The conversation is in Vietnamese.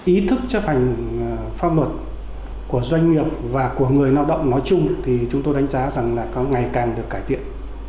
ý thức chấp hành pháp luật của doanh nghiệp và của người lao động nói chung thì chúng tôi đánh giá rằng là có ngày càng được cải thiện